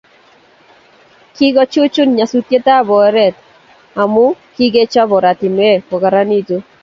Kikochuchuch nyasutiet ab oret amu kikechob oratinwek kokararanitu